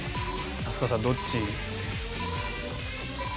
飛鳥さんどっち？